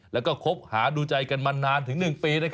แล้วก็คบหาดูใจกันมานานถึง๑ปี